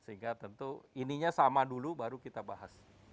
sehingga tentu ininya sama dulu baru kita bahas